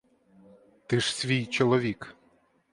Ти ж свій чоловік.